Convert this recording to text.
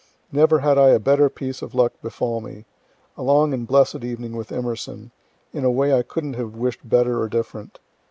_ Never had I a better piece of luck befall me: a long and blessed evening with Emerson, in a way I couldn't have wish'd better or different.